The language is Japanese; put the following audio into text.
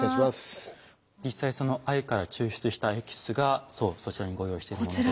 実際藍から抽出したエキスがそうそちらにご用意しているものです。